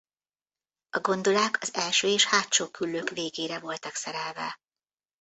A gondolák az első és hátsó küllők végére voltak szerelve.